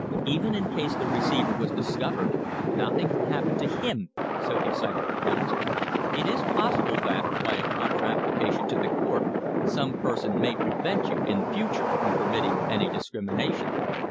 Even in case the receiver was discovered nothing would happen to him, so decided the counsel. "It is possible that, by a proper application to the court, some person may prevent you, in future, from permitting any discrimination.